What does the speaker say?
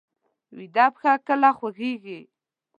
ویده پښه کله خوځېږي